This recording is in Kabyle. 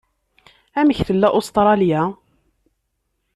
Amek tella Ustṛalya?